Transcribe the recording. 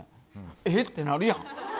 えっ？ってなるやん。